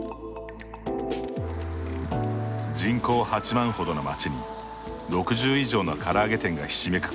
人口８万ほどの街に６０以上のから揚げ店がひしめく